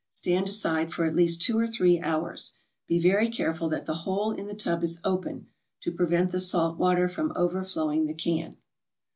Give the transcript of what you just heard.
Stand aside for at least two or three hours. Be very careful that the hole in the tub is open, to prevent the salt water from overflowing the can.